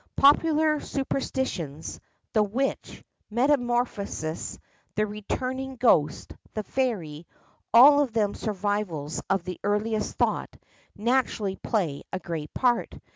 Popular superstitions, the witch, metamorphosis, the returning ghost, the fairy, all of them survivals of the earliest thought, naturally play a great part.